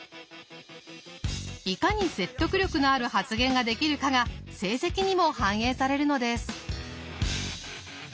いかに説得力のある発言ができるかが成績にも反映されるのです。